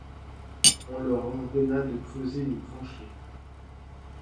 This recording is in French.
On leur ordonna de creuser une tranchée.